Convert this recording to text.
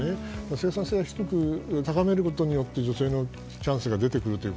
生産性が低く高めることによって女性のチャンスが出てくるという。